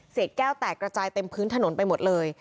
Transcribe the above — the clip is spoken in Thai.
แก้วแตกกระจายเต็มพื้นถนนไปหมดเลย